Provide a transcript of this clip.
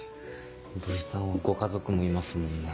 土井さんご家族もいますもんね。